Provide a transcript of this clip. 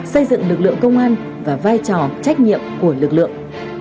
xây dựng lực lượng công an và vai trò trách nhiệm của lực lượng